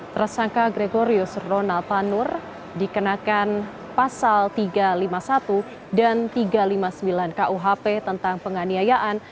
tersangka gregorius ronald tanur dikenakan pasal tiga ratus lima puluh satu dan tiga ratus lima puluh sembilan kuhp tentang penganiayaan